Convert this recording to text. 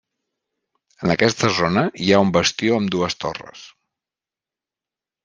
En aquesta zona hi ha un bastió amb dues torres.